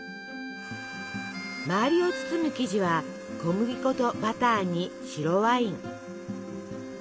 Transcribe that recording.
周りを包む生地は小麦粉とバターに白ワイン。